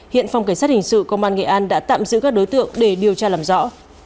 hiện phòng cảnh sát hình sự công an nghệ an đã tạm giữ các đối tượng để điều tra làm rõ